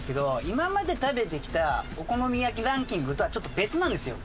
今まで食べてきたお好み焼きランキングとはちょっと別なんですよ。